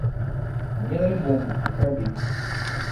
Мне далі бомбу і карабін.